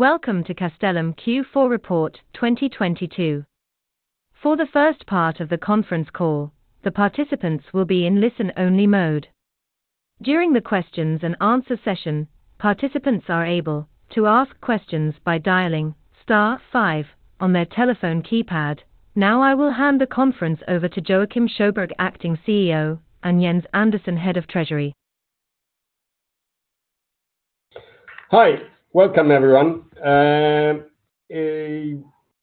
Welcome to Castellum Q4 Report 2022. For the first part of the conference call, the participants will be in listen-only mode. During the questions and answer session, participants are able to ask questions by dialing star five on their telephone keypad. Now I will hand the conference over to Joacim Sjöberg, Acting CEO, and Jens Andersson, Head of Treasury. Hi. Welcome, everyone.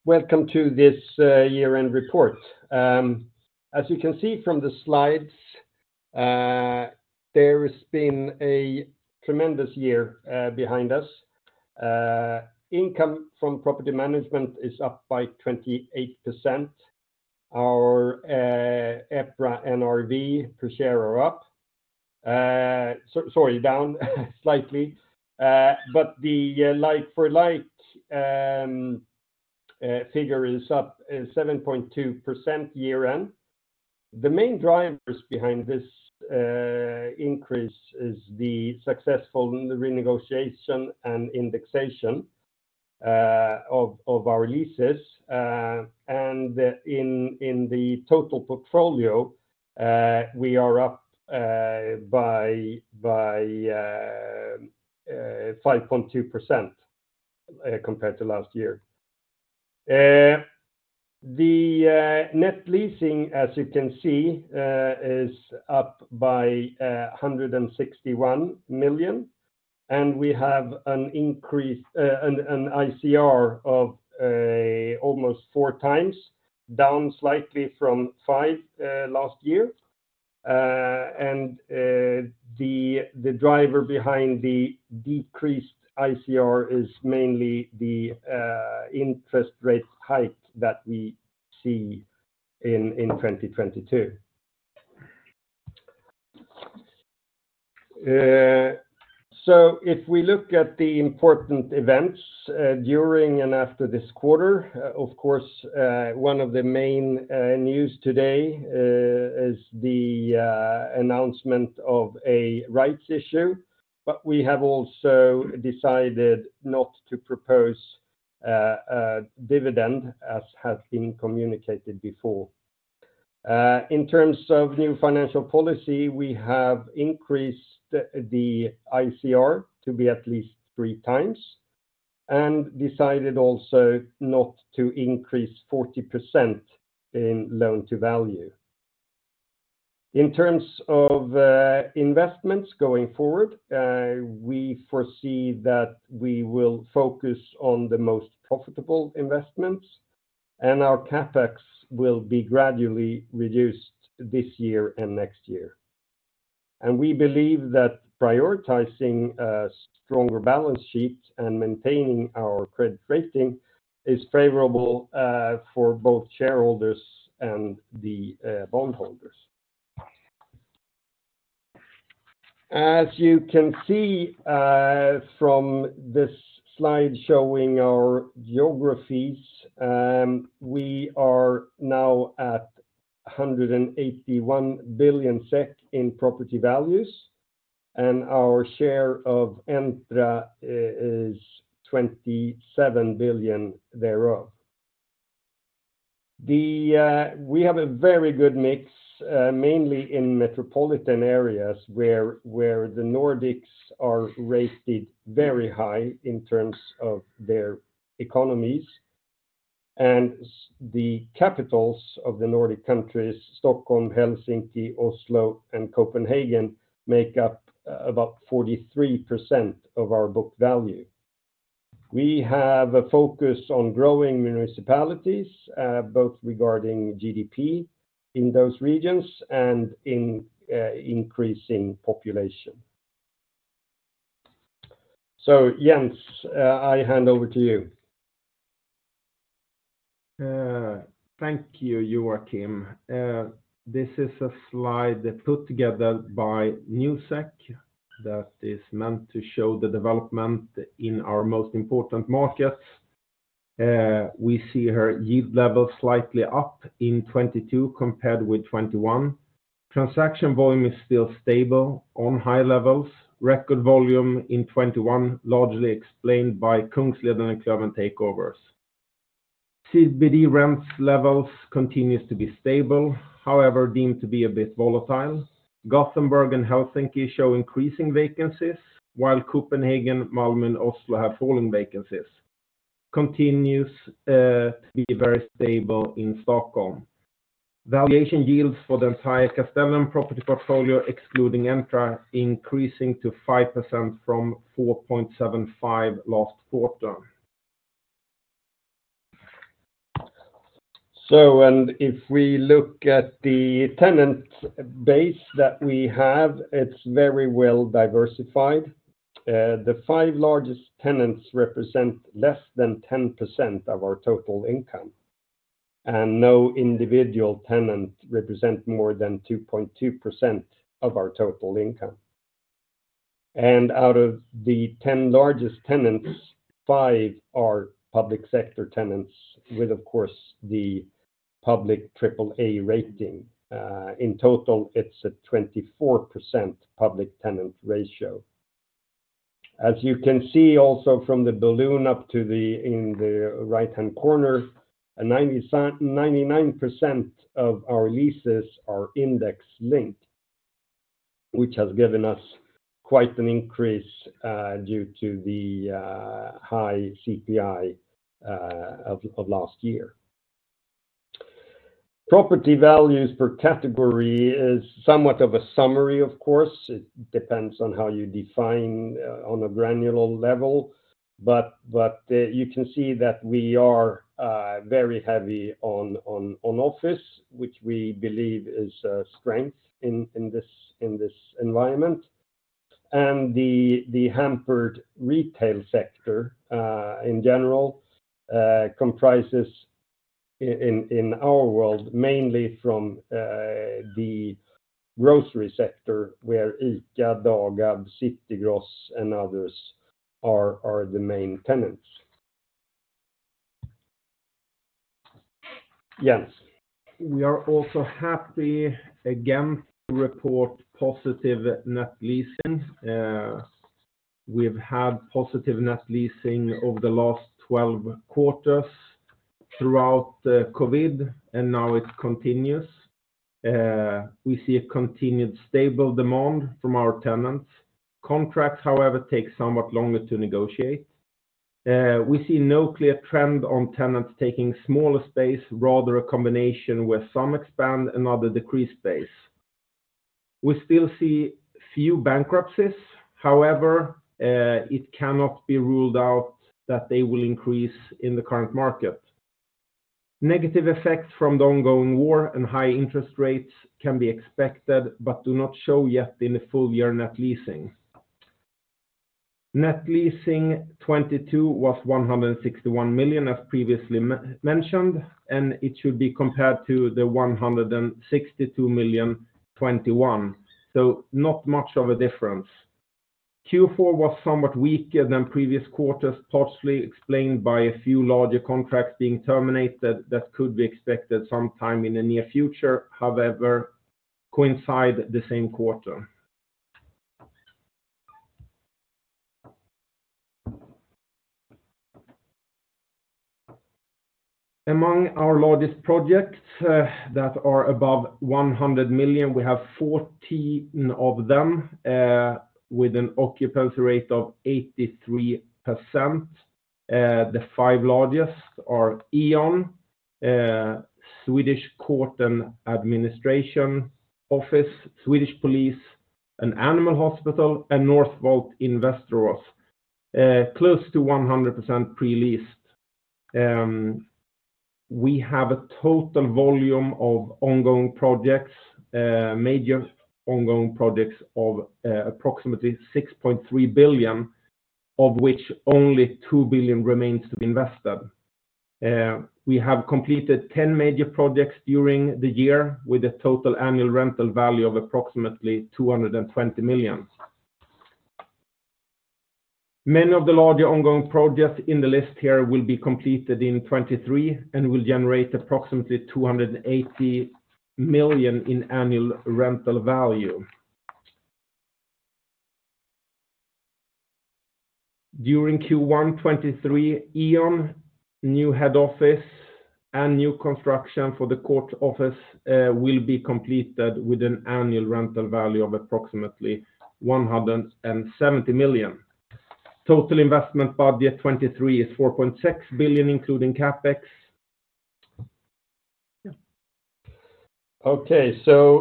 Welcome to this year-end report. As you can see from the slides, there has been a tremendous year behind us. Income from property management is up by 28%. Our EPRA NRV per share are up. Down slightly. The like-for-like figure is up 7.2% year-end. The main drivers behind this increase is the successful renegotiation and indexation of our leases. In the total portfolio, we are up by 5.2% compared to last year. The net leasing as you can see, is up by 161 million, and we have an ICR of almost 4 times, down slightly from five last year. The driver behind the decreased ICR is mainly the interest rate hike that we see in 2022. If we look at the important events during and after this quarter, of course, one of the main news today is the announcement of a rights issue. We have also decided not to propose dividend as has been communicated before. In terms of new financial policy, we have increased the ICR to be at least three times and decided also not to increase 40% in LTV. In terms of investments going forward, we foresee that we will focus on the most profitable investments, and our CapEx will be gradually reduced this year and next year. We believe that prioritizing a stronger balance sheet and maintaining our credit rating is favorable for both shareholders and the bondholders. As you can see from this slide showing our geographies, we are now at 181 billion SEK in property values, and our share of Entra is SEK 27 billion thereof. We have a very good mix, mainly in metropolitan areas where the Nordics are rated very high in terms of their economies. The capitals of the Nordic countries, Stockholm, Helsinki, Oslo, and Copenhagen, make up about 43% of our book value. We have a focus on growing municipalities, both regarding GDP in those regions and in increasing population. Jens, I hand over to you. Thank you, Joacim. This is a slide put together by Newsec that is meant to show the development in our most important markets. We see here yield level slightly up in 2022 compared with 2021. Transaction volume is still stable on high levels. Record volume in 2021 largely explained by Kungsleden and Klövern takeovers. CBD rents levels continues to be stable, however, deemed to be a bit volatile. Gothenburg and Helsinki show increasing vacancies, while Copenhagen, Malmö, and Oslo have fallen vacancies. Continues to be very stable in Stockholm. Valuation yields for the entire Castellum property portfolio, excluding Entra, increasing to 5% from 4.75% last quarter. If we look at the tenant base that we have, it's very well-diversified. The five largest tenants represent less than 10% of our total income, and no individual tenant represent more than 2.2% of our total income. Out of the 10 largest tenants, five are public sector tenants with, of course, the public triple A rating. In total, it's a 24% public tenant ratio. As you can see also from the balloon up to the in the right-hand corner, a 99% of our leases are index-linked, which has given us quite an increase due to the high CPI of last year. Property values per category is somewhat of a summary, of course. It depends on how you define on a granular level. You can see that we are very heavy on office, which we believe is a strength in this, in this environment. The hampered retail sector, in general, comprises in our world, mainly from the grocery sector, where ICA, Dagab, City Gross, and others are the main tenants. Jens. We are also happy again to report positive net leasing. We've had positive net leasing over the last 12 quarters throughout the COVID, and now it continues. We see a continued stable demand from our tenants. Contracts, however, take somewhat longer to negotiate. We see no clear trend on tenants taking smaller space, rather a combination where some expand and other decrease space. We still see few bankruptcies. However, it cannot be ruled out that they will increase in the current market. Negative effects from the ongoing war and high interest rates can be expected, but do not show yet in the full year net leasing. Net leasing 2022 was 161 million, as previously mentioned, and it should be compared to the 162 million 2021, so not much of a difference. Q4 was somewhat weaker than previous quarters, partially explained by a few larger contracts being terminated that could be expected sometime in the near future, however, coincide the same quarter. Among our largest projects, that are above 100 million, we have 14 of them, with an occupancy rate of 83%. The five largest are E.ON, Swedish Court and Administration Office, Swedish Police, an animal hospital, and Northvolt in Västerås, close to 100% pre-leased. We have a total volume of ongoing projects, major ongoing projects of approximately 6.3 billion, of which only 2 billion remains to be invested. We have completed 10 major projects during the year with a total annual rental value of approximately 220 million. Many of the larger ongoing projects in the list here will be completed in 2023 and will generate approximately 280 million in annual rental value. During Q1 2023, E.ON new head office and new construction for the court office will be completed with an annual rental value of approximately 170 million. Total investment budget 2023 is 4.6 billion, including CapEx. Yeah. Okay.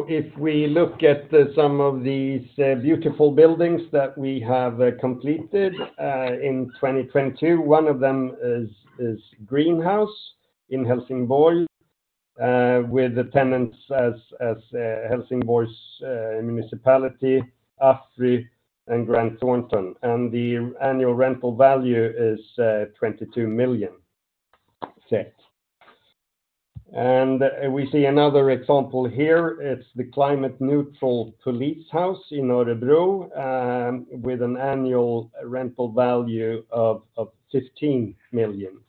If we look at some of these beautiful buildings that we have completed in 2022, one of them is Greenhouse in Helsingborg, with the tenants as Helsingborg's municipality, AFRY, and Grant Thornton. The annual rental value is 22 million. We see another example here. It's the climate-neutral police house in Örebro, with an annual rental value of SEK 15 million.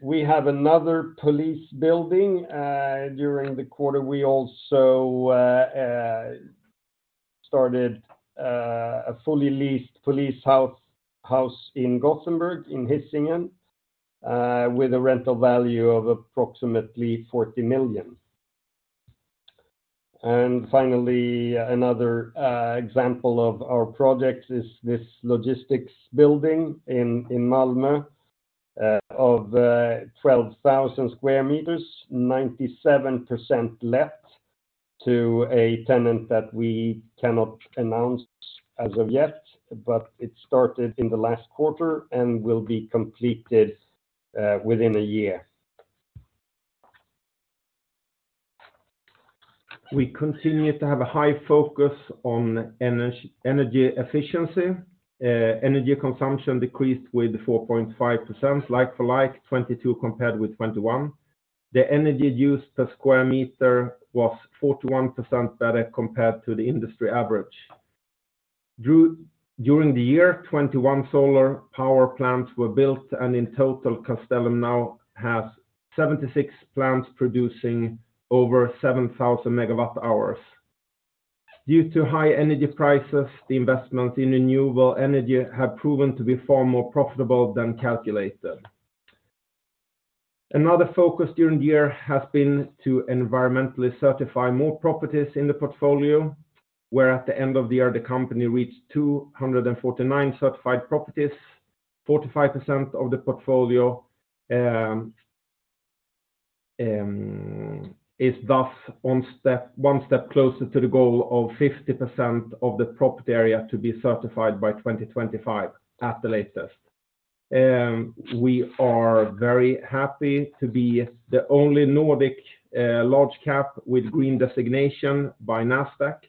We have another police building. During the quarter we also started a fully leased police house in Gothenburg, in Hisingen, with a rental value of approximately 40 million. Finally, another example of our projects is this logistics building in Malmö, of 12,000 square meters, 97% let to a tenant that we cannot announce as of yet, but it started in the last quarter and will be completed within a year. We continue to have a high focus on energy efficiency. Energy consumption decreased with 4.5% like for like 2022 compared with 2021. The energy used per square meter was 41% better compared to the industry average. During the year, 21 solar power plants were built and in total, Castellum now has 76 plants producing over 7,000 MWh. Due to high energy prices, the investment in renewable energy have proven to be far more profitable than calculated. Another focus during the year has been to environmentally certify more properties in the portfolio, where at the end of the year, the company reached 249 certified properties. 45% of the portfolio is thus one step closer to the goal of 50% of the property area to be certified by 2025 at the latest. We are very happy to be the only Nordic large cap with green designation by Nasdaq.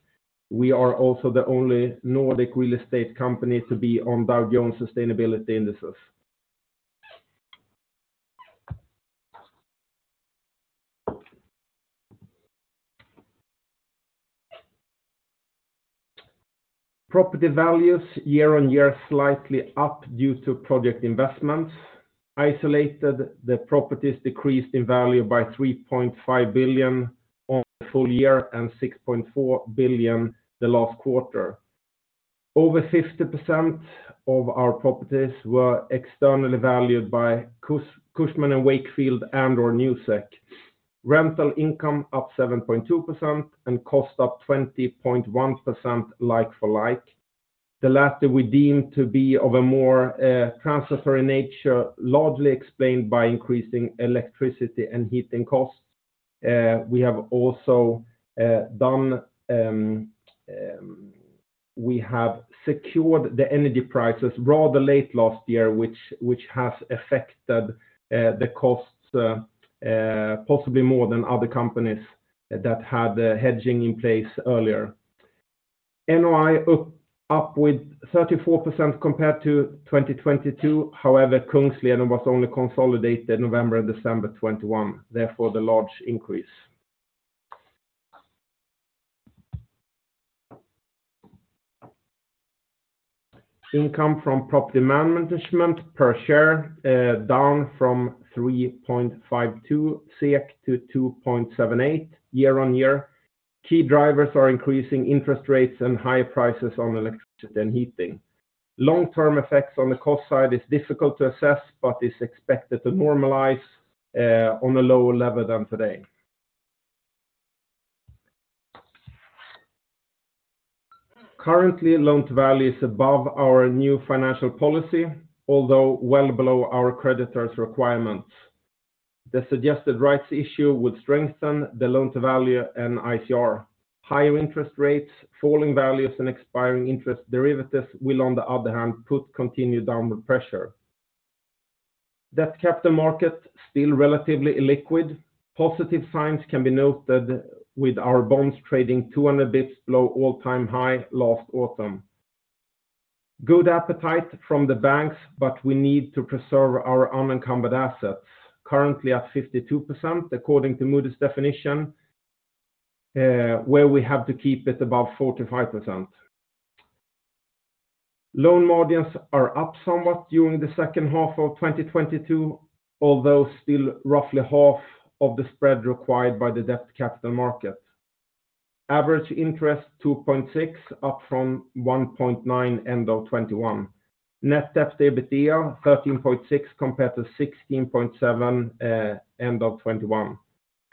We are also the only Nordic real estate company to be on Dow Jones Sustainability Indices. Property values year-over-year slightly up due to project investments. Isolated, the properties decreased in value by 3.5 billion on the full year and 6.4 billion the last quarter. Over 50% of our properties were externally valued by Cushman & Wakefield and or Newsec. Rental income up 7.2% and cost up 20.1% like for like. The latter we deem to be of a more transitory nature, largely explained by increasing electricity and heating costs. We have also secured the energy prices rather late last year, which has affected the costs possibly more than other companies that had the hedging in place earlier. NOI up with 34% compared to 2022. However, Kungsleden was only consolidated November and December 2021, therefore the large increase. Income from property management per share, down from 3.52 SEK to 2.78 SEK year-on-year. Key drivers are increasing interest rates and higher prices on electricity and heating. Long-term effects on the cost side is difficult to assess, but is expected to normalize on a lower level than today. Currently, loan to value is above our new financial policy, although well below our creditors' requirements. The suggested rights issue would strengthen the loan to value and ICR. Higher interest rates, falling values, and expiring interest derivatives will, on the other hand, put continued downward pressure. Debt capital market still relatively illiquid. Positive signs can be noted with our bonds trading 200 bits below all-time high last autumn. Good appetite from the banks, we need to preserve our unencumbered assets, currently at 52% according to Moody's definition, where we have to keep it above 45%. Loan margins are up somewhat during the second half of 2022, although still roughly half of the spread required by the debt capital market. Average interest 2.6%, up from 1.9% end of 2021. Net debt to EBITDA 13.6 compared to 16.7 end of 2021.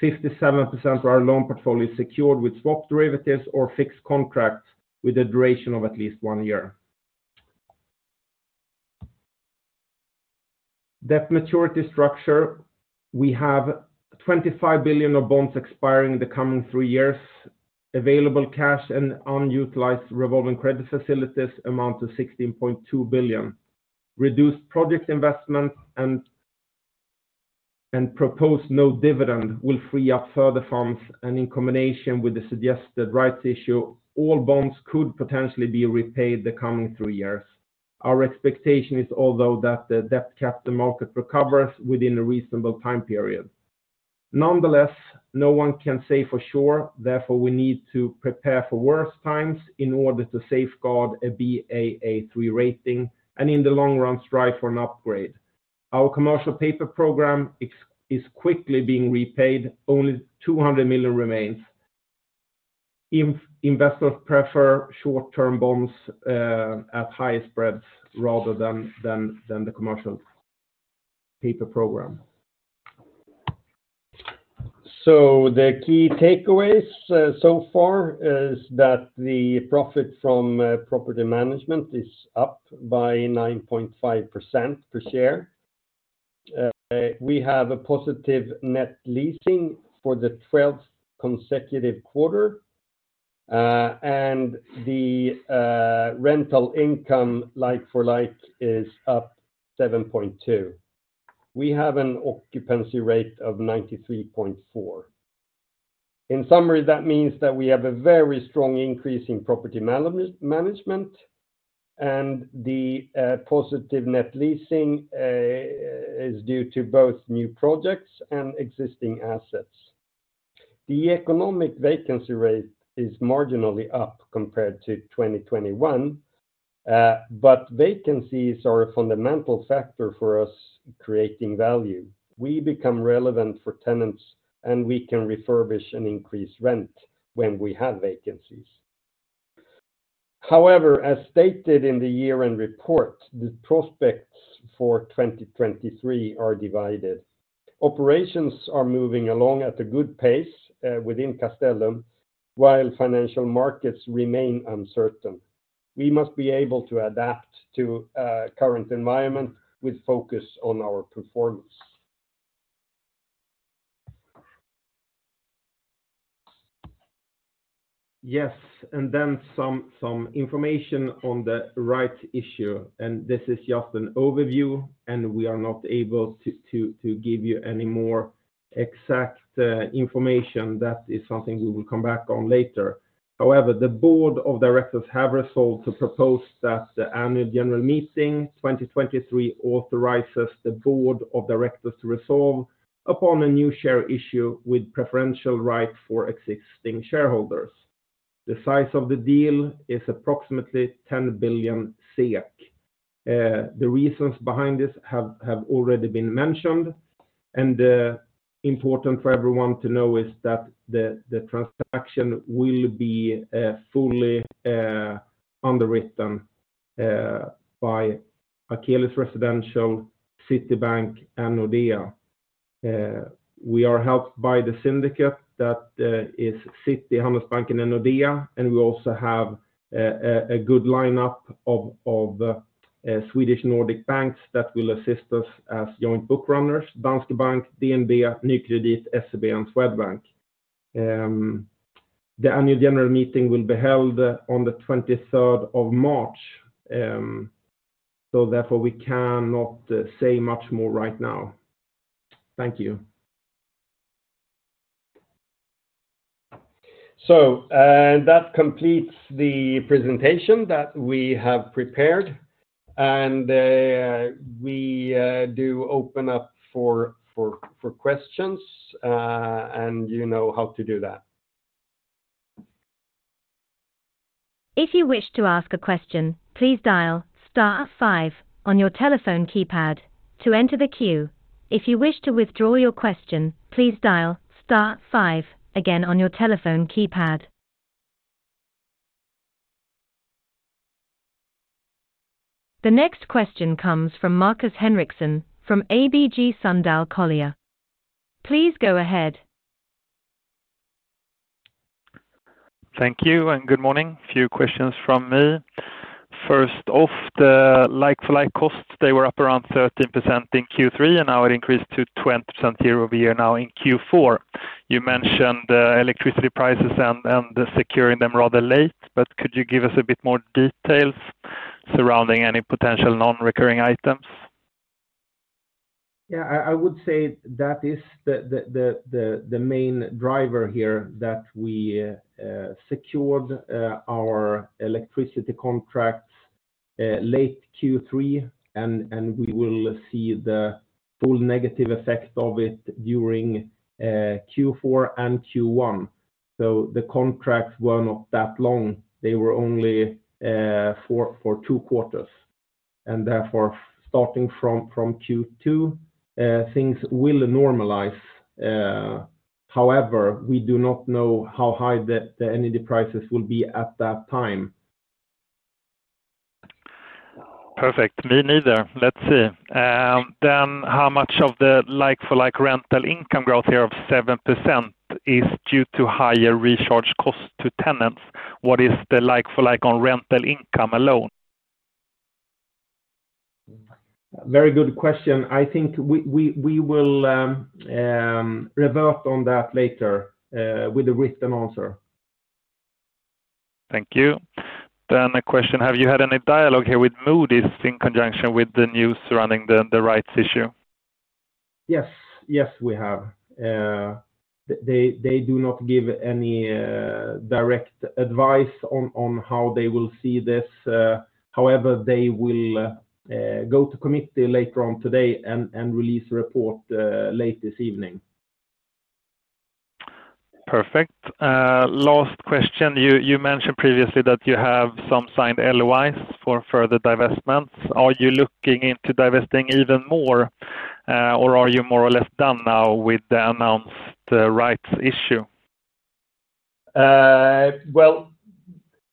57% of our loan portfolio is secured with swap derivatives or fixed contracts with a duration of at least one year. Debt maturity structure. We have 25 billion of bonds expiring in the coming three years. Available cash and unutilized revolving credit facilities amount to 16.2 billion. Reduced project investment and proposed no dividend will free up further funds, and in combination with the suggested rights issue, all bonds could potentially be repaid the coming three years. Our expectation is although that the debt capital market recovers within a reasonable time period. Nonetheless, no one can say for sure. Therefore, we need to prepare for worse times in order to safeguard a Baa3 rating, and in the long run strive for an upgrade. Our commercial paper program is quickly being repaid. Only 200 million remains. Investors prefer short-term bonds at higher spreads rather than the commercial paper program. The key takeaways so far is that the profit from property management is up by 9.5% per share. We have a positive net leasing for the 12th consecutive quarter. The rental income like for like is up 7.2%. We have an occupancy rate of 93.4%. In summary, that means that we have a very strong increase in property management, the positive net leasing is due to both new projects and existing assets. The economic vacancy rate is marginally up compared to 2021, vacancies are a fundamental factor for us creating value. We become relevant for tenants, we can refurbish and increase rent when we have vacancies. However, as stated in the year-end report, the prospects for 2023 are divided. Operations are moving along at a good pace within Castellum while financial markets remain uncertain. We must be able to adapt to current environment with focus on our performance. Yes. Then some information on the rights issue, and this is just an overview, and we are not able to give you any more exact information. That is something we will come back on later. However, the board of directors have resolved to propose that the annual general meeting 2023 authorizes the board of directors to resolve upon a new share issue with preferential right for existing shareholders. The size of the deal is approximately 10 billion SEK. The reasons behind this have already been mentioned, and important for everyone to know is that the transaction will be fully underwritten by Akelius Residential, Citibank, and Nordea. We are helped by the syndicate that is Citi, Handelsbanken, and Nordea, and we also have a good lineup of Swedish Nordic banks that will assist us as joint bookrunners: Danske Bank, DNB, Nordcredit, SEB, and Swedbank. The annual general meeting will be held on the 23rd of March. Therefore we cannot say much more right now. Thank you. That completes the presentation that we have prepared, and we do open up for questions, and you know how to do that. If you wish to ask a question, please dial star five on your telephone keypad to enter the queue. If you wish to withdraw your question, please dial star five again on your telephone keypad. The next question comes from Markus Henriksson from ABG Sundal Collier. Please go ahead. Thank you and good morning. Few questions from me. First off, the like-for-like costs, they were up around 13% in Q3. Now it increased to 20% year-over-year now in Q4. You mentioned the electricity prices and the securing them rather late, could you give us a bit more details surrounding any potential non-recurring items? Yeah. I would say that is the main driver here that we secured our electricity contracts late Q3 and we will see the full negative effect of it during Q4 and Q1. The contracts were not that long. They were only for two quarters. Therefore starting from Q2, things will normalize. However, we do not know how high the energy prices will be at that time. Perfect. Me neither. Let's see. How much of the like-for-like rental income growth here of 7% is due to higher recharge costs to tenants? What is the like-for-like on rental income alone? Very good question. I think we will revert on that later with a written answer. Thank you. A question, have you had any dialogue here with Moody's in conjunction with the news surrounding the rights issue? Yes. Yes, we have. They do not give any direct advice on how they will see this. However, they will go to committee later on today and release a report late this evening. Perfect. Last question. You mentioned previously that you have some signed LOIs for further divestments. Are you looking into divesting even more, or are you more or less done now with the announced rights issue? Well,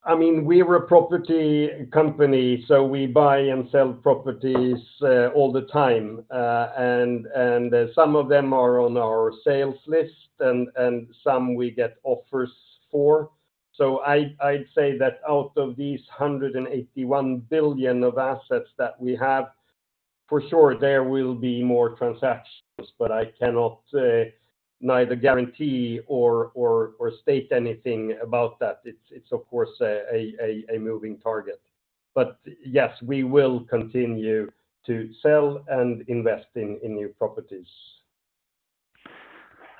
I mean, we're a property company, we buy and sell properties all the time. Some of them are on our sales list and some we get offers for. I'd say that out of these 181 billion of assets that we have, for sure there will be more transactions, I cannot neither guarantee or state anything about that. It's of course a moving target. Yes, we will continue to sell and invest in new properties.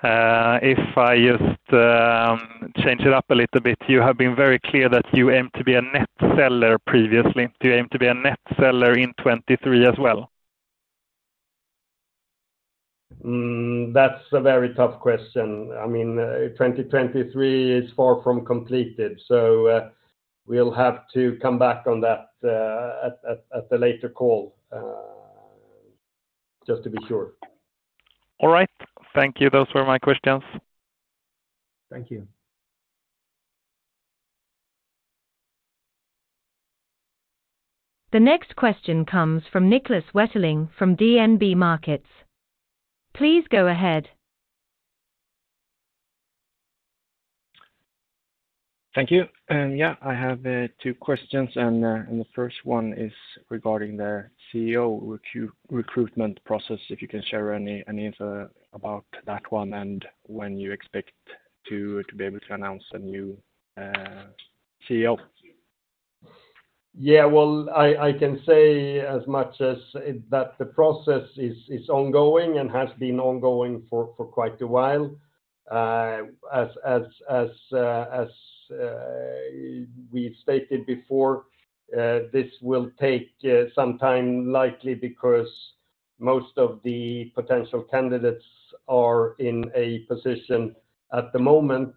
If I just change it up a little bit, you have been very clear that you aim to be a net seller previously. Do you aim to be a net seller in 23 as well? That's a very tough question. I mean, 2023 is far from completed, so we'll have to come back on that at a later call, just to be sure. All right. Thank you. Those were my questions. Thank you. The next question comes from Niklas Wetterling from DNB Markets. Please go ahead. Thank you. Yeah, I have two questions, and the first one is regarding the CEO recruitment process, if you can share any info about that one and when you expect to be able to announce a new CEO. Yeah. Well, I can say as much as that the process is ongoing and has been ongoing for quite a while. As we've stated before, this will take some time likely because most of the potential candidates are in a position at the moment,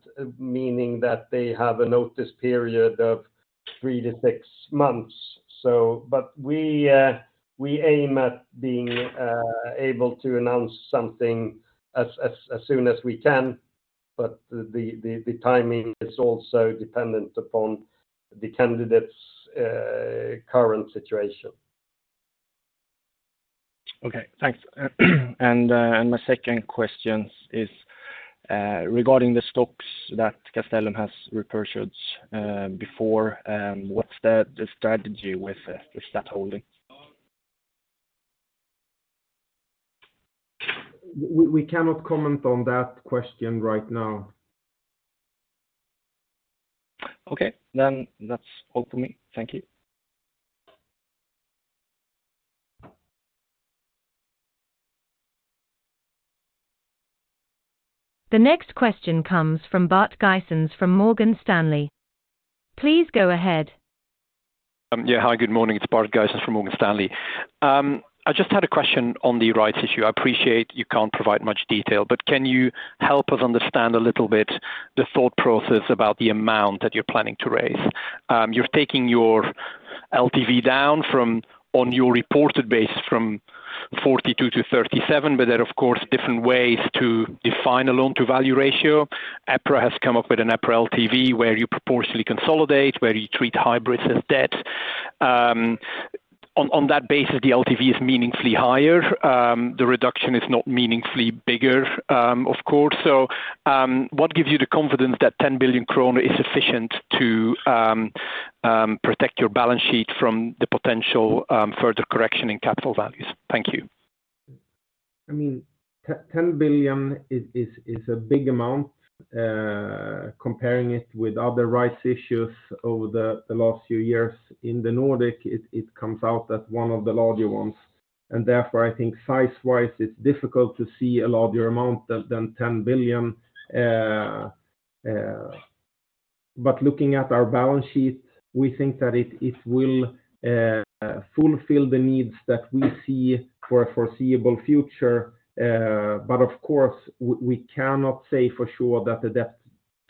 meaning that they have a notice period of 3-6 months. We aim at being able to announce something as soon as we can, but the timing is also dependent upon the candidate's current situation. Okay. Thanks. My second question is, regarding the stocks that Castellum has repurchased, before, what's the strategy with that holding? We cannot comment on that question right now. Okay. That's all for me. Thank you. The next question comes from Bart Gysens from Morgan Stanley. Please go ahead. Yeah. Hi, good morning. It's Bart Gysens from Morgan Stanley. I just had a question on the rights issue. I appreciate you can't provide much detail. Can you help us understand a little bit the thought process about the amount that you're planning to raise? You're taking your LTV down from, on your reported base, from 42 to 37. There are of course different ways to define a loan to value ratio. EPRA has come up with an EPRA LTV where you proportionally consolidate, where you treat hybrids as debt. On that basis, the LTV is meaningfully higher. The reduction is not meaningfully bigger, of course. What gives you the confidence that 10 billion kronor is sufficient to protect your balance sheet from the potential further correction in capital values? Thank you. I mean, 10 billion is a big amount. Comparing it with other rights issues over the last few years in the Nordic, it comes out as one of the larger ones. Therefore, I think size-wise, it's difficult to see a larger amount than 10 billion. Looking at our balance sheet, we think that it will fulfill the needs that we see for a foreseeable future. Of course, we cannot say for sure that the debt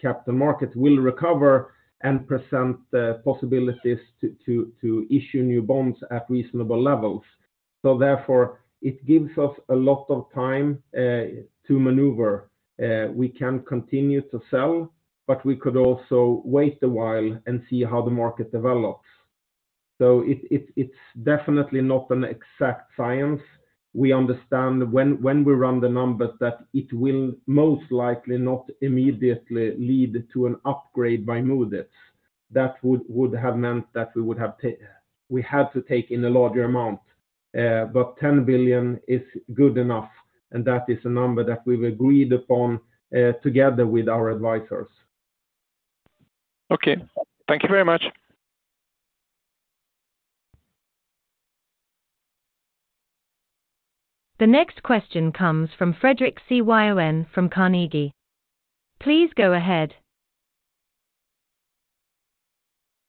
capital market will recover and present the possibilities to issue new bonds at reasonable levels. Therefore, it gives us a lot of time to maneuver. We can continue to sell, but we could also wait a while and see how the market develops. It's definitely not an exact science. We understand when we run the numbers that it will most likely not immediately lead to an upgrade by Moody's. That would have meant that we had to take in a larger amount. 10 billion is good enough, and that is a number that we've agreed upon, together with our advisors. Okay. Thank you very much. The next question comes from Fredric Cyon from Carnegie. Please go ahead.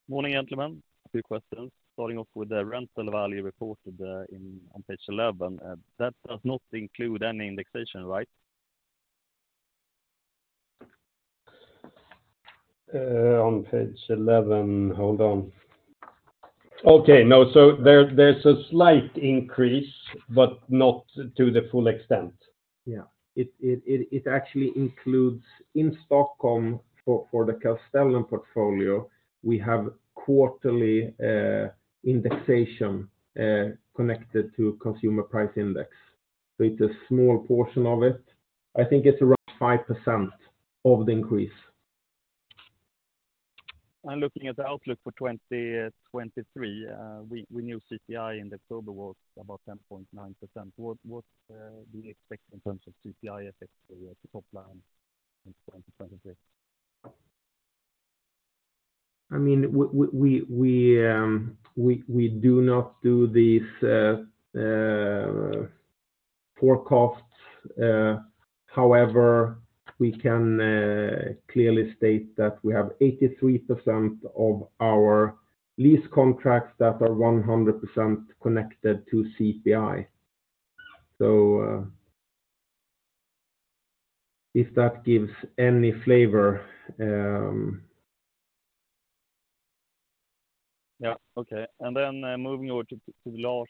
Morning, gentlemen. Two questions. Starting off with the rental value reported, on page 11. That does not include any indexation, right? On page 11. Hold on. Okay. No. There's a slight increase, but not to the full extent. Yeah. It actually includes in Stockholm for the Castellum portfolio, we have quarterly indexation connected to consumer price index. It's a small portion of it. I think it's around 5% of the increase. I'm looking at the outlook for 2023. We knew CPI in October was about 10.9%. What do you expect in terms of CPI effect to top line in 2023? I mean, we do not do these forecasts. However, we can clearly state that we have 83% of our lease contracts that are 100% connected to CPI. If that gives any flavor. Yeah. Okay. Then moving over to large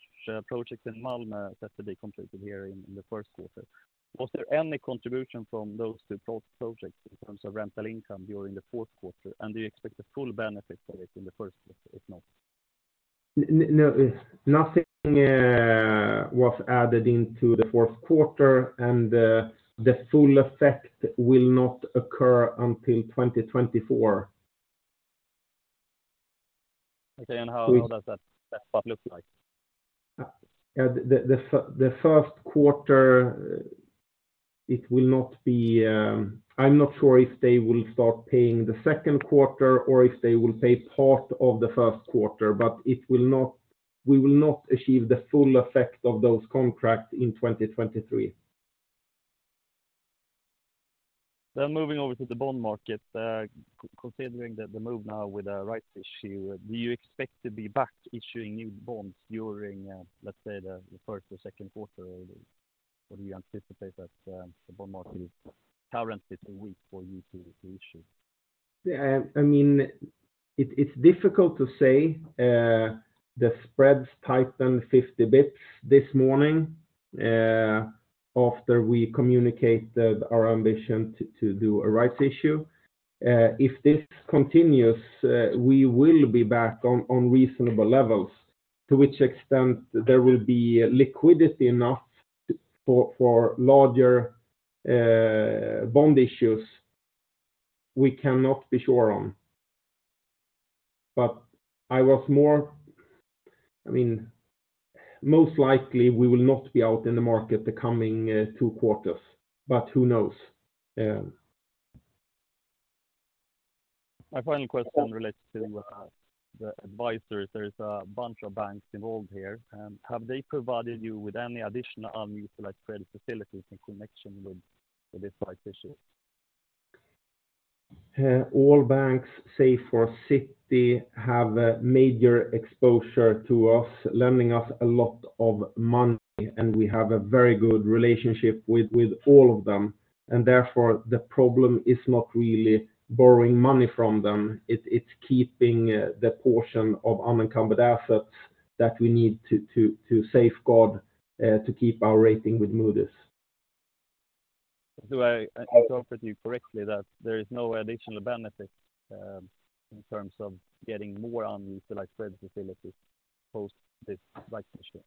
projects in Malmö that will be completed here in the first quarter. Was there any contribution from those two projects in terms of rental income during the fourth quarter? Do you expect the full benefit of it in the first quarter, if not? Nothing was added into the fourth quarter, and the full effect will not occur until 2024. Okay. How does that part look like? Yeah. The first quarter, it will not be. I'm not sure if they will start paying the second quarter or if they will pay part of the first quarter, but we will not achieve the full effect of those contracts in 2023. Moving over to the bond market. Considering the move now with a rights issue, do you expect to be back issuing new bonds during, let's say the first or second quarter? Or do you anticipate that the bond market is currently too weak for you to issue? Yeah. I mean, it's difficult to say. The spreads tightened 50 basis points this morning, after we communicated our ambition to do a rights issue. If this continues, we will be back on reasonable levels. To which extent there will be liquidity enough for larger bond issues, we cannot be sure on. I mean, most likely we will not be out in the market the coming two quarters, but who knows? My final question relates to the advisors. There's a bunch of banks involved here. Have they provided you with any additional unutilized credit facilities in connection with this rights issue? All banks save for Citi have a major exposure to us, lending us a lot of money, and we have a very good relationship with all of them. Therefore, the problem is not really borrowing money from them, it's keeping the portion of unencumbered assets that we need to safeguard to keep our rating with Moody's. Do I interpret you correctly that there is no additional benefit in terms of getting more unutilized credit facilities post this rights issue? Yeah,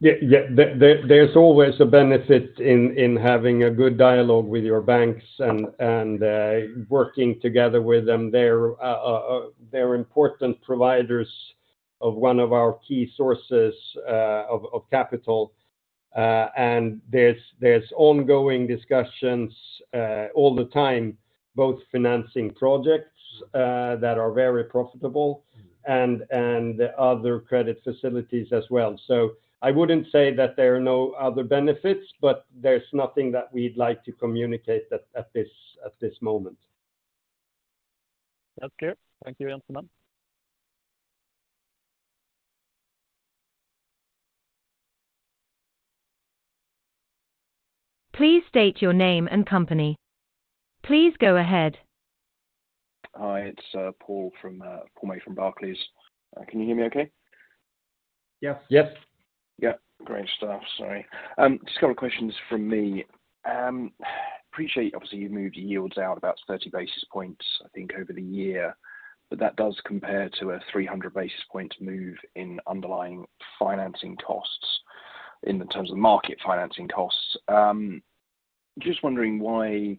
yeah. There's always a benefit in having a good dialogue with your banks and working together with them. They're important providers of one of our key sources of capital. There's ongoing discussions all the time, both financing projects that are very profitable and other credit facilities as well. I wouldn't say that there are no other benefits, but there's nothing that we'd like to communicate at this moment. That's clear. Thank you, Jens, Joacim. Please state your name and company. Please go ahead. Hi, it's Paul May from Barclays. Can you hear me okay? Yes. Yes. Yeah. Great stuff. Sorry. Just a couple questions from me. Appreciate, obviously, you've moved yields out about 30 basis points, I think, over the year, but that does compare to a 300 basis point move in underlying financing costs in terms of market financing costs. Just wondering why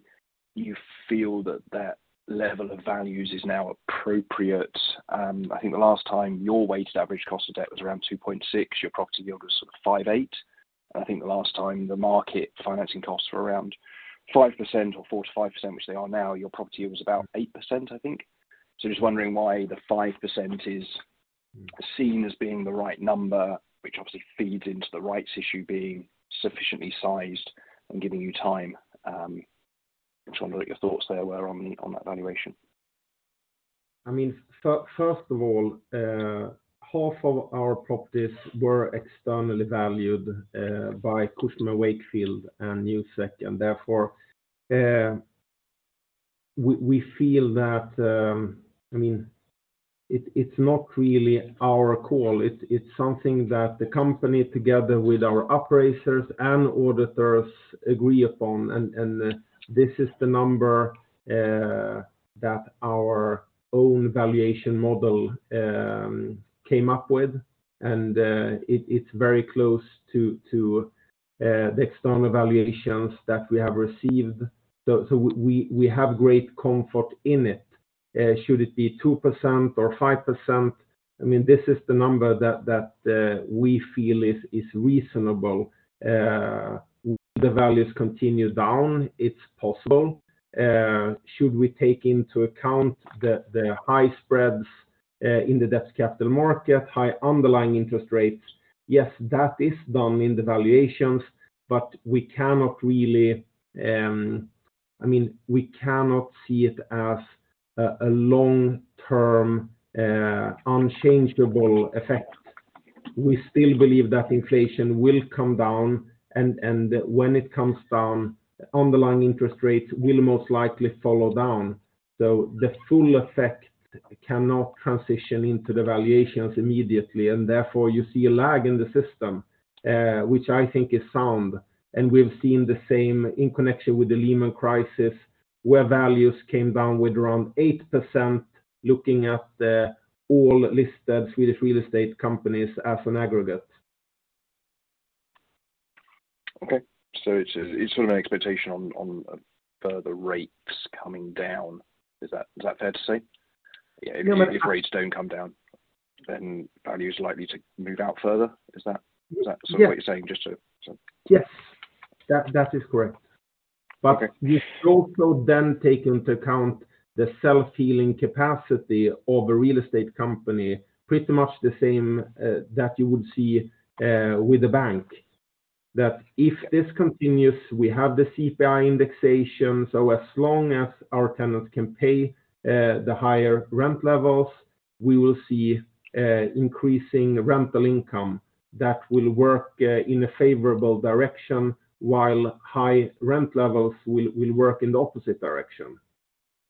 you feel that that level of values is now appropriate. I think the last time your weighted average cost of debt was around 2.6%, your property yield was sort of 5.8%. I think the last time the market financing costs were around 5% or 4%-5%, which they are now, your property was about 8%, I think. Just wondering why the 5% is seen as being the right number, which obviously feeds into the rights issue being sufficiently sized and giving you time. Just wondering what your thoughts there were on that valuation? I mean, first of all, half of our properties were externally valued by Cushman & Wakefield and Newsec, and therefore, we feel that. I mean, it's not really our call. It's something that the company together with our operators and auditors agree upon. This is the number that our own valuation model came up with. It's very close to the external valuations that we have received. We have great comfort in it. Should it be 2% or 5%? I mean, this is the number that we feel is reasonable. Will the values continue down? It's possible. Should we take into account the high spreads. Yes, that is done in the valuations. We cannot really, I mean, we cannot see it as a long-term unchangeable effect. We still believe that inflation will come down, and when it comes down, underlying interest rates will most likely follow down. The full effect cannot transition into the valuations immediately, and therefore you see a lag in the system, which I think is sound. We've seen the same in connection with the Lehman crisis, where values came down with around 8% looking at the all listed Swedish real estate companies as an aggregate. Okay. It's sort of an expectation on further rates coming down. Is that fair to say? Yeah. If rates don't come down, then value is likely to move out further. Is that sort of what you're saying? Yes. That is correct. Okay. You should also then take into account the self-healing capacity of a real estate company, pretty much the same that you would see with a bank. If this continues, we have the CPI indexation. As long as our tenants can pay the higher rent levels, we will see increasing rental income that will work in a favorable direction, while high rent levels will work in the opposite direction.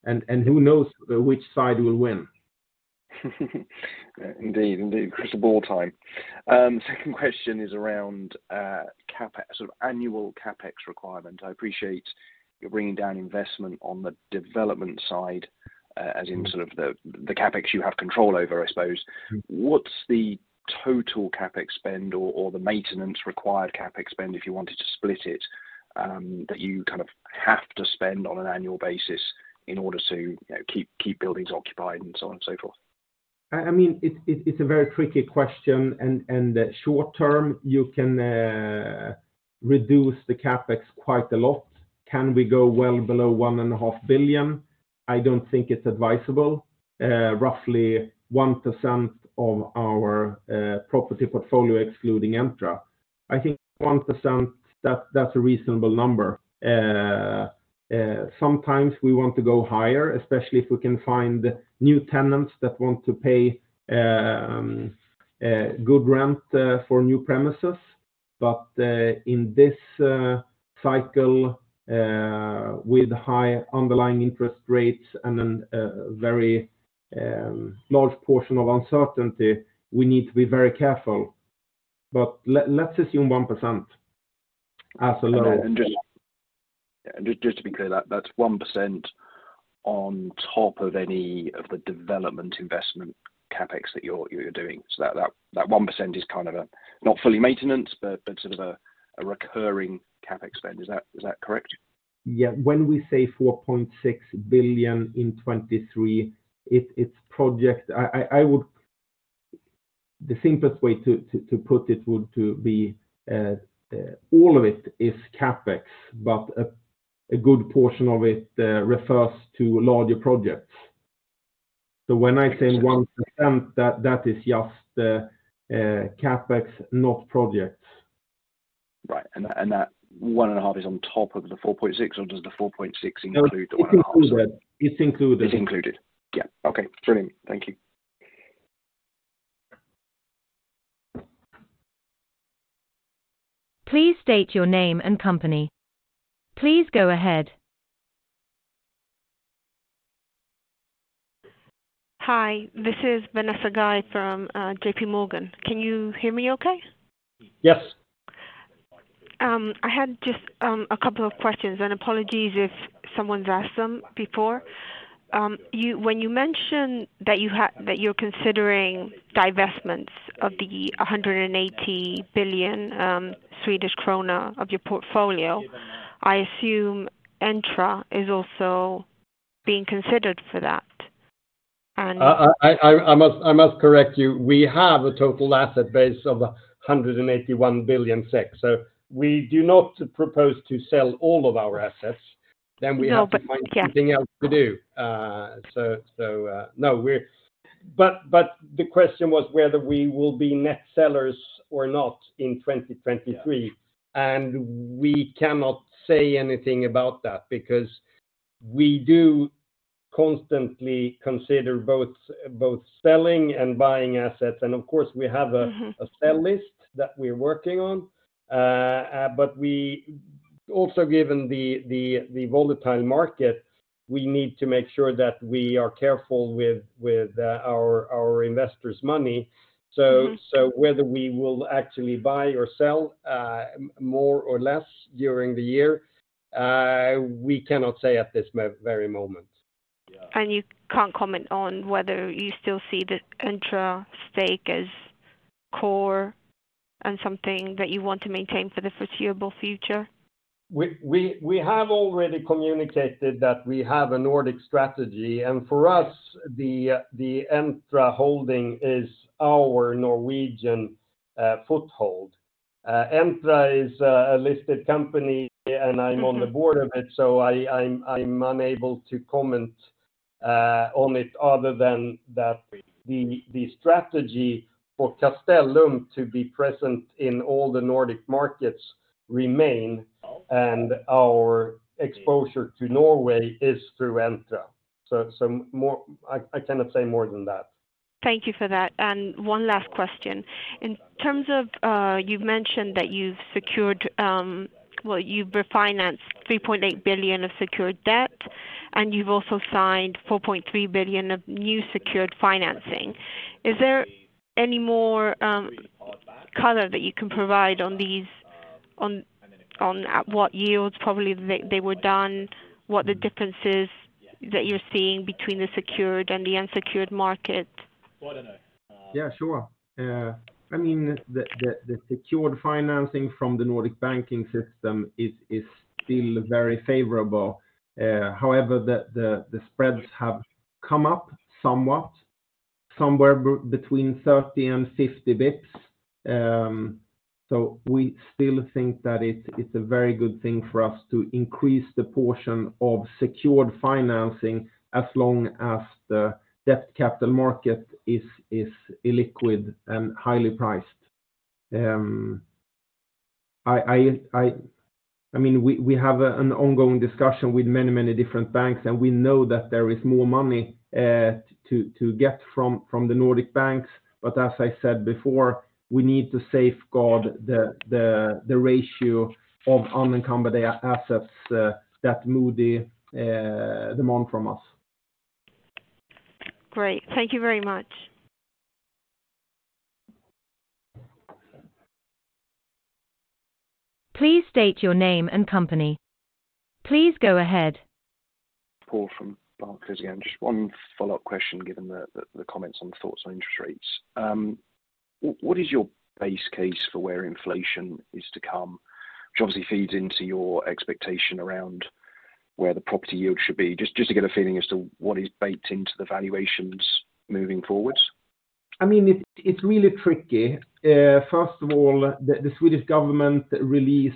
Who knows which side will win. Indeed, indeed. Crystal ball time. Second question is around CapEx, sort of annual CapEx requirement. I appreciate you're bringing down investment on the development side, as in sort of the CapEx you have control over, I suppose. What's the total CapEx spend or the maintenance required CapEx spend, if you wanted to split it, that you kind of have to spend on an annual basis in order to, you know, keep buildings occupied and so on and so forth? I mean, it's a very tricky question. short-term, you can reduce the CapEx quite a lot. Can we go well below one and a half billion? I don't think it's advisable. Roughly 1% of our property portfolio excluding Entra. I think 1%, that's a reasonable number. Sometimes we want to go higher, especially if we can find new tenants that want to pay good rent for new premises. In this cycle, with high underlying interest rates and then a very large portion of uncertainty, we need to be very careful. Let's assume 1% as a low. Just to be clear, that's 1% on top of any of the development investment CapEx that you're doing. That 1% is kind of a, not fully maintenance, but sort of a recurring CapEx spend. Is that correct? Yeah. When we say 4.6 billion in 2023, the simplest way to put it would to be, all of it is CapEx, but a good portion of it refers to larger projects. When I say 1%, that is just the CapEx, not projects. Right. That 1.5 is on top of the 4.6, or does the 4.6 include the 1.5? No, it's included. It's included. It's included. Yeah. Okay. Brilliant. Thank you. Please state your name and company. Please go ahead. Hi, this is Vanessa Guy from JPMorgan. Can you hear me okay? Yes. I had just a couple of questions, and apologies if someone's asked them before. When you mentioned that you're considering divestments of the 180 billion Swedish krona of your portfolio, I assume Entra is also being considered for that. I must correct you. We have a total asset base of 181 billion SEK. We do not propose to sell all of our assets, we have to find something else to do. No, but... Yeah. The question was whether we will be net sellers or not in 2023. Yeah. We cannot say anything about that because we do constantly consider both selling and buying assets a sell list that we're working on. We also, given the volatile market, we need to make sure that we are careful with our investors' money. Mm-hmm. Whether we will actually buy or sell, more or less during the year, we cannot say at this very moment. You can't comment on whether you still see the Entra stake as core and something that you want to maintain for the foreseeable future? We have already communicated that we have a Nordic strategy. For us, the Entra holding is our Norwegian foothold. Entra is a listed company and I'm on the board of it, so I'm unable to comment on it other than that the strategy for Castellum to be present in all the Nordic markets remain, and our exposure to Norway is through Entra. More... I cannot say more than that. Thank you for that. One last question. In terms of, you've mentioned that you've secured, Well, you've refinanced 3.8 billion of secured debt, and you've also signed 4.3 billion of new secured financing. Is there any more color that you can provide on what yields probably they were done? What the differences that you're seeing between the secured and the unsecured market? Sure. I mean, the secured financing from the Nordic banking system is still very favorable. However, the spreads have come up somewhat, somewhere between 30 and 50 basis points. We still think that it's a very good thing for us to increase the portion of secured financing as long as the debt capital market is illiquid and highly priced. I mean, we have an ongoing discussion with many different banks, and we know that there is more money to get from the Nordic banks. As I said before, we need to safeguard the ratio of unencumbered assets that Moody's demand from us. Great. Thank you very much. Please state your name and company. Please go ahead. Paul from Barclays again. Just one follow-up question given the comments on thoughts on interest rates. What is your base case for where inflation is to come? Which obviously feeds into your expectation around where the property yield should be. Just, just to get a feeling as to what is baked into the valuations moving forward. I mean, it's really tricky. first of all, the Swedish government release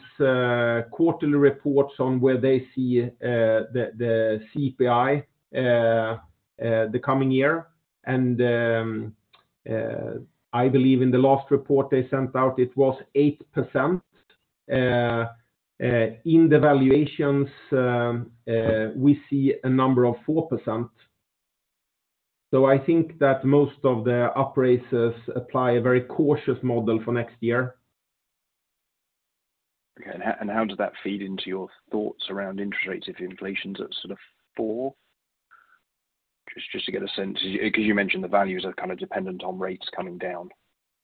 quarterly reports on where they see the CPI the coming year. I believe in the last report they sent out, it was 8%. in the valuations, we see a number of 4%. I think that most of the operators apply a very cautious model for next year. Okay. How does that feed into your thoughts around interest rates if inflation's at sort of 4%? Just to get a sense, because you mentioned the values are kind of dependent on rates coming down.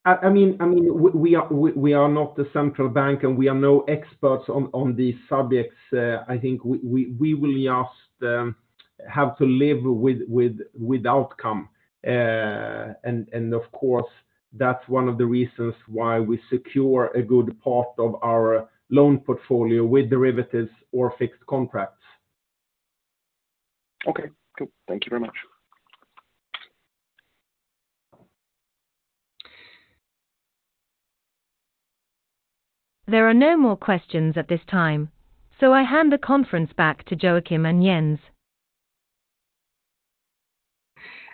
I mean, we are not the central bank, and we are no experts on these subjects. I think we will just have to live with the outcome. Of course, that's one of the reasons why we secure a good part of our loan portfolio with derivatives or fixed contracts. Okay. Cool. Thank you very much. There are no more questions at this time. I hand the conference back to Joacim and Jens.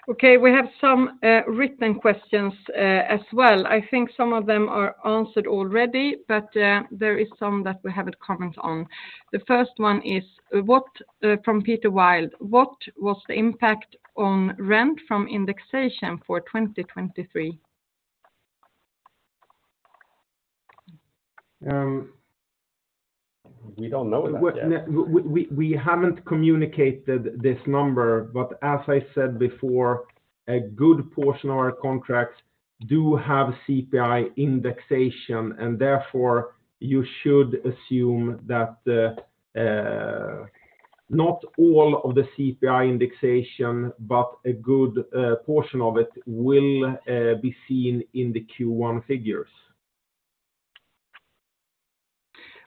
Okay. We have some written questions as well. I think some of them are answered already. There is some that we haven't comment on. The first one is from Peter Wild: What was the impact on rent from indexation for 2023? We don't know that yet. We haven't communicated this number, but as I said before, a good portion of our contracts do have CPI indexation, and therefore you should assume that not all of the CPI indexation, but a good portion of it will be seen in the Q1 figures.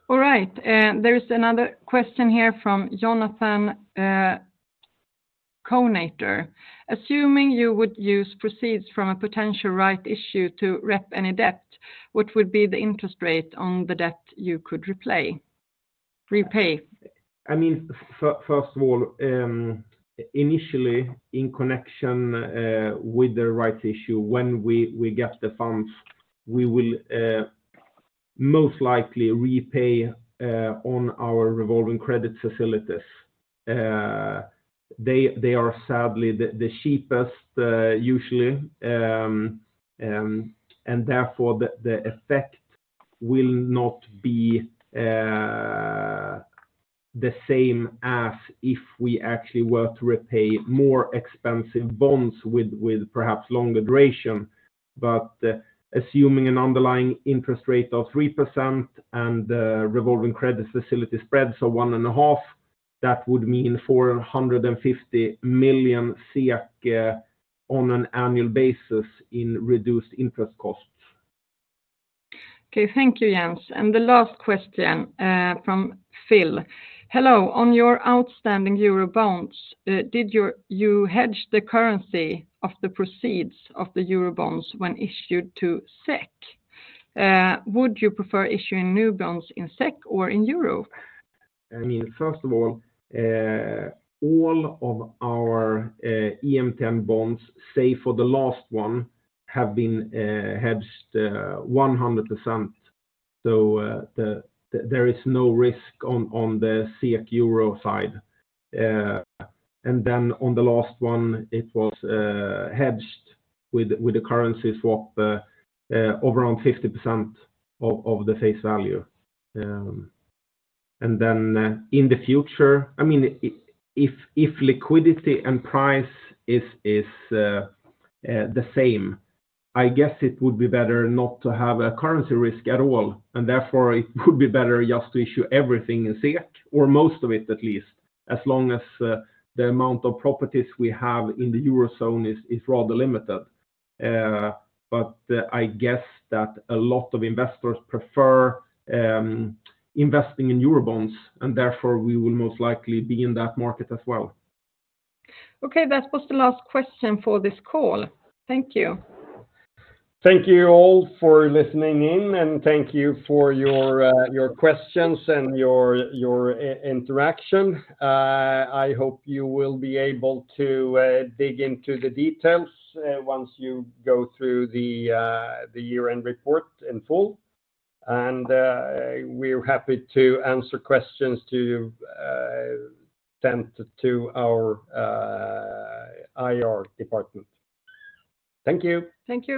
All right. There is another question here from Jonathan Conator. Assuming you would use proceeds from a potential right issue to rep any debt, what would be the interest rate on the debt you could repay? I mean, first of all, initially in connection with the right issue, when we get the funds, we will most likely repay on our revolving credit facilities. They are sadly the cheapest usually. Therefore the effect will not be the same as if we actually were to repay more expensive bonds with perhaps longer duration. Assuming an underlying interest rate of 3% and the revolving credit facility spread, so one and a half, that would mean 450 million SEK on an annual basis in reduced interest costs. Okay. Thank you, Jens. The last question from Phil. Hello. On your outstanding euro bonds, did you hedge the currency of the proceeds of the euro bonds when issued to SEK? Would you prefer issuing new bonds in SEK or in euro? I mean, first of all of our EMTN bonds, save for the last one, have been hedged 100%. There is no risk on the SEK EUR side. On the last one, it was hedged with a currency swap over 50% of the face value. In the future, I mean, if liquidity and price is the same, I guess it would be better not to have a currency risk at all, therefore it would be better just to issue everything in SEK or most of it at least, as long as the amount of properties we have in the Eurozone is rather limited. I guess that a lot of investors prefer investing in euro bonds, and therefore we will most likely be in that market as well. Okay. That was the last question for this call. Thank you. Thank you all for listening in, thank you for your questions and your interaction. I hope you will be able to dig into the details once you go through the year-end report in full. We're happy to answer questions sent to our IR department. Thank you. Thank you.